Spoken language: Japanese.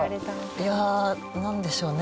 いやなんでしょうね。